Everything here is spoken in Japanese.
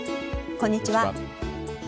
こんにちは。